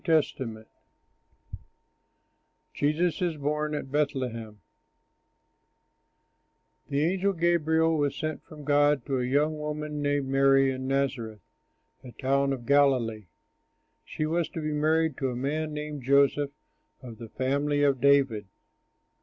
L. Taylor] JESUS IS BORN AT BETHLEHEM The angel Gabriel was sent from God to a young woman named Mary in Nazareth, a town of Galilee. She was to be married to a man named Joseph of the family of David.